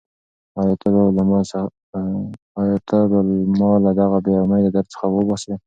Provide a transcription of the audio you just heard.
ایا ته به ما له دغه بېامیده درد څخه وباسې؟